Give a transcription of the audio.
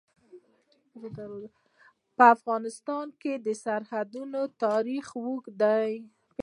په افغانستان کې د سرحدونه تاریخ اوږد دی.